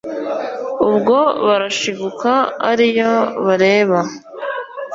Ubwo barashiguka ari yo bareba